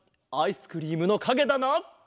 アイスクリームのかげだな？